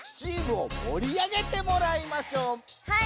はい！